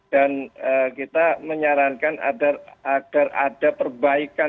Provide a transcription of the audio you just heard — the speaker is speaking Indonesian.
dan kita menyarankan agar ada perbaikan